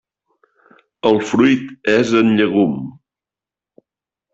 El fruit és en llegum.